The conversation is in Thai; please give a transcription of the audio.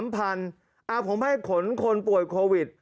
ผมให้ขนคนป่วยโควิด